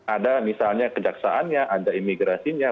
ada misalnya kejaksaannya ada imigrasinya